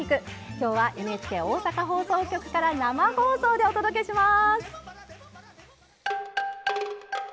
きょうはＮＨＫ大阪放送局から生放送でお届けします！